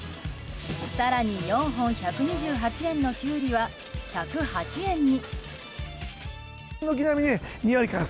更に、４本１２８円のキュウリは１０８円に。